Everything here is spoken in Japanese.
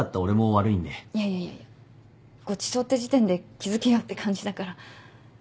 いやいやいやいやごちそうって時点で気付けよって感じだから。